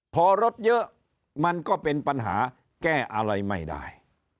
พอรถเยอะมันก็เป็นปัญหาแก้อะไรไม่ได้